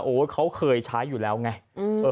เขาเคยใช้อยู่แล้วไง